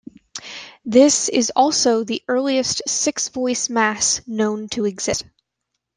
This is also the earliest six-voice mass known to exist.